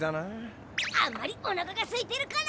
あんまりおなかがすいてるから。